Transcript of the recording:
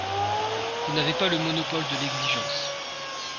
Vous n’avez pas le monopole de l’exigence